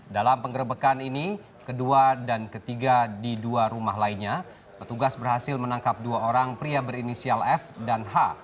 dalam penggerbekan ini kedua dan ketiga di dua rumah lainnya petugas berhasil menangkap dua orang pria berinisial f dan h